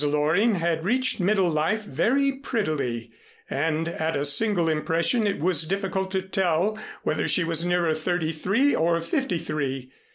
Loring had reached middle life very prettily, and at a single impression it was difficult to tell whether she was nearer thirty three or fifty three.